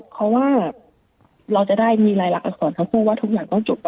เขาว่าเราจะได้มีรายลักษณ์อันส่วนของพวกว่าทุกอย่างต้องจบ